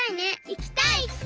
いきたい！